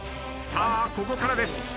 さあここからです。